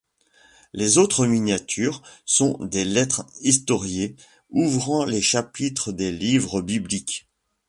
Les autres miniatures sont des lettres historiées ouvrant les chapitres des livres bibliques.